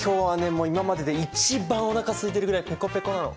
もう今までで一番おなかすいてるぐらいペコペコなの！